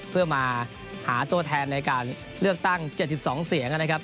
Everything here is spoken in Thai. เพื่อมาหาตัวแทนในการเลือกตั้ง๗๒เสียงนะครับ